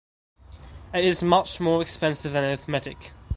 It is much more expensive than arithmetic.